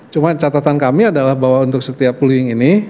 cuma catatan kami adalah bahwa untuk setiap pullying ini